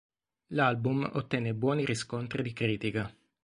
L'album ottenne buoni riscontri di critica.